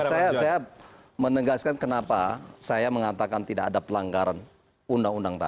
saya menegaskan kenapa saya mengatakan tidak ada pelanggaran undang undang tadi